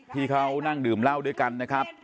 ที่เขานั่งดื่มเหล้าด้วยกันนะครับ